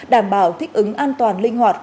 đảm bảo thích ứng an toàn linh hoạt